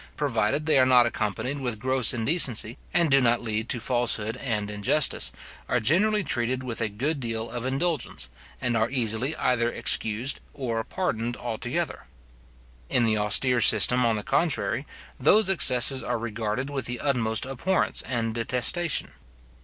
provided they are not accompanied with gross indecency, and do not lead to falsehood and injustice, are generally treated with a good deal of indulgence, and are easily either excused or pardoned altogether. In the austere system, on the contrary, those excesses are regarded with the utmost abhorrence and detestation.